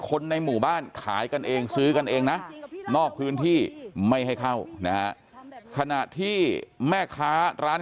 คนในหมู่บ้านขายกันเองซื้อกันเองนะนอกพื้นที่ไม่ให้เข้านะฮะขณะที่แม่ค้าร้าน